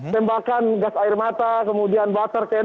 tembakan gas air mata kemudian water cannon